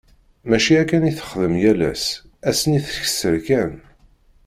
Mačči akken i texdem yal ass, ass-nni teskeṛ kan.